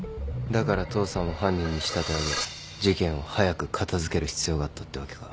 だから父さんを犯人に仕立て上げ事件を早く片付ける必要があったってわけか。